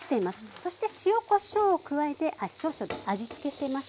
そして塩・こしょうを加えて少々味つけしています。